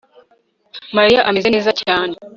mariya ameze neza cyane